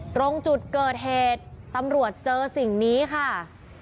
ตรงจุดเกิดเหตุตำรวจเจอสิ่งนี้ค่ะ